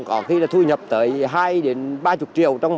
có khi là thu nhập tới hai đến ba mươi triệu đồng